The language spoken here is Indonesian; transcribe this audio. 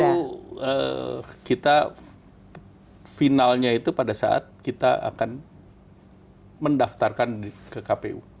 itu kita finalnya itu pada saat kita akan mendaftarkan ke kpu